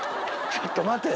ちょっと待て。